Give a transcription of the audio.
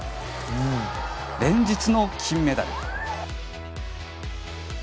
連日の金メダル。